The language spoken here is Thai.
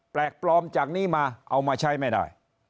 แปลกปลอมจากนี้มาเอามาใช้ไม่ได้